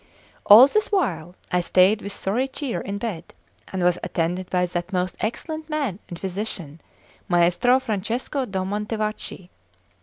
All this while I stayed with sorry cheer in bed, and was attended by that most excellent man and physician, Maestro Francesco da Montevarchi.